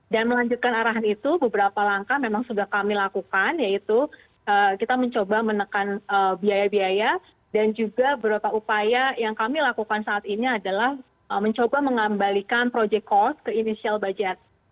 dan melanjutkan arahan itu beberapa langkah memang sudah kami lakukan yaitu kita mencoba menekan biaya biaya dan juga beberapa upaya yang kami lakukan saat ini adalah mencoba mengambalikan proyek kos ke inisial bajet